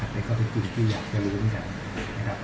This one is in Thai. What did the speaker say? ได้ข้อที่จริงที่อยากจะรู้ขึ้นกัน